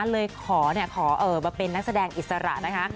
เลยขอมาเป็นนักแสดงอิสระนะคะ